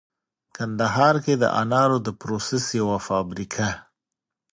کندهار کې د انارو د پروسس یوه فابریکه